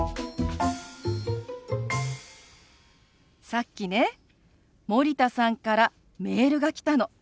さっきね森田さんからメールが来たの。